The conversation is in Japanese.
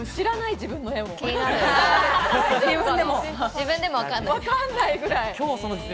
自分でもわからないくらい。